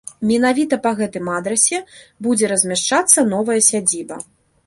Менавіта па гэтым адрасе будзе размяшчацца новая сядзіба.